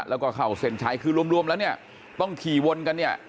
แล้วก็เข้าเส้นชัยคือรวมแล้วเนี่ยต้องขี่วนกันเนี่ย